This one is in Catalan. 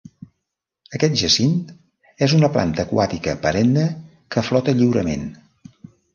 Aquest jacint és una planta aquàtica perenne que flota lliurement.